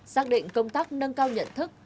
xác định công tác nâng cao nhận thức